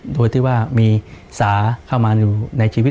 โดยที่ว่ามีสาเข้ามาอยู่ในชีวิต